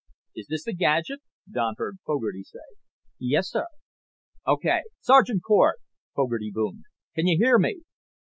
"Is this the gadget?" Don heard Fogarty say. "Yes, sir." "Okay. Sergeant Cort?" Fogarty boomed. "Can you hear me?"